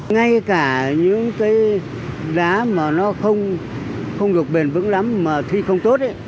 ngay cả những cái đá mà nó không được bền vững lắm mà thi công tốt